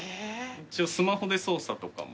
一応スマホで操作とかも。